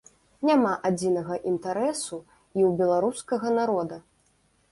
Няма адзінага інтарэсу і ў беларускага народа.